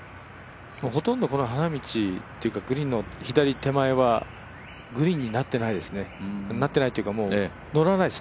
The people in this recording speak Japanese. ほとんど花道というかグリーンの左手前はグリーンになってないですね、なってないというか、のらないです